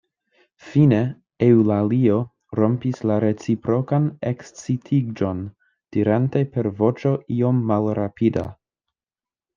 Fine Eŭlalio rompis la reciprokan ekscitiĝon, dirante per voĉo iom malrapida: